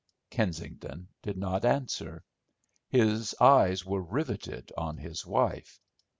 Kensington did not answer. His eyes were riveted on his wife.